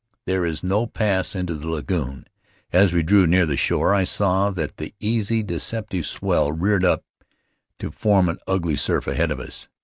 "There is no pass into the lagoon. As we drew near the shore I saw that the easy, deceptive swell reared up to form an ugly surf ahead of us.